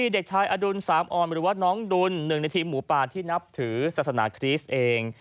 เด็กชายอดุลสามอ่อนหรือว่าน้องดุลหนึ่งในทีมหมูป่าที่นับถือศาสนาคริสต์เอง